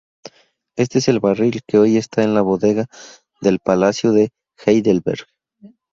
Este es el barril que hoy está en la bodega del palacio de Heidelberg.